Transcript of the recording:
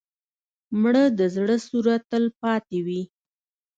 مړه د زړه سوره تل پاتې وي